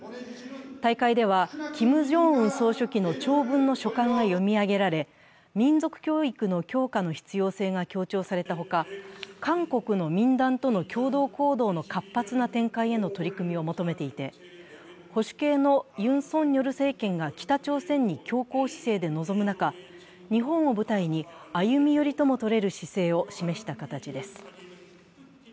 大会ではキム・ジョンウン総書記の長文の書簡が読み上げられ、民族教育の強化の必要性が強調されたほか、韓国の民団との共同行動の活発な展開への取り組みを求めていて保守系のユン・ソンニョル政権が北朝鮮に強硬姿勢で臨む中、日本を舞台に歩み寄りともとれる姿勢を示した形です。